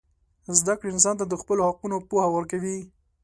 زدهکړه انسان ته د خپلو حقونو پوهه ورکوي.